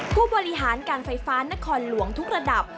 ผู้บริหารการไฟฟ้านครหลวงทุกระดับ